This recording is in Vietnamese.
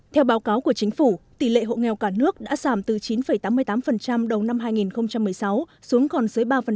theo báo cáo của chính phủ tỷ lệ hộ nghèo cả nước đã giảm từ chín tám mươi tám đầu năm hai nghìn một mươi sáu xuống còn dưới ba